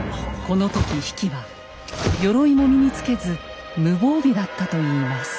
この時比企は鎧も身につけず無防備だったといいます。